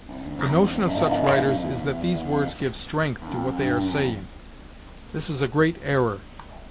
The notion of such writers is that these words give strength to what they are saying. This is a great error.